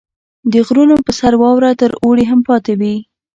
• د غرونو په سر واوره تر اوړي هم پاتې وي.